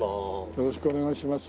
よろしくお願いします。